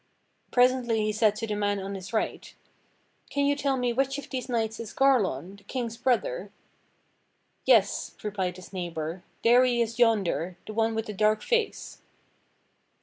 Presently he said to the man on his right: "Can you tell me which of these knights is Garlon, the King's brother "Yes," replied his neighbor, "there he is yonder, the one with the dark face."